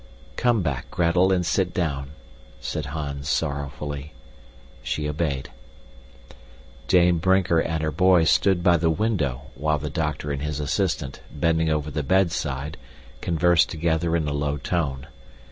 "Come back, Gretel, and sit down," said Hans, sorrowfully. She obeyed. Dame Brinker and her boy stood by the window while the doctor and his assistant, bending over the bedside, conversed together in a low tone.